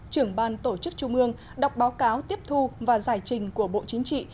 trưởng ban tổ chức trung ương đọc báo cáo tiếp thu và giải trình của bộ chính trị